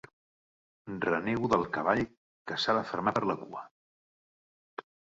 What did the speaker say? Renego del cavall que s'ha de fermar per la cua.